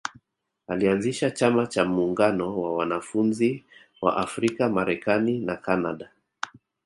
Alianzisha Chama cha muungano wa wanafunzi wa Afrika Marekani na Kanada